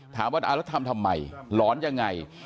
ถามว่าแล้วทำทำไมหลอนยังไง